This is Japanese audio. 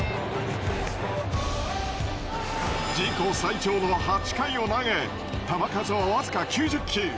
自己最長の８回を投げ球数は僅か９０球。